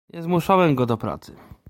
"Nie zmuszałem go do pracy..."